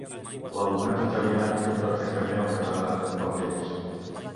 L'alumnat italià entén perfectament el català en poc temps...